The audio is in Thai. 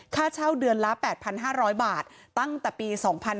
ค่าเช่าเดือนละ๘๕๐๐บาทตั้งแต่ปี๒๕๕๙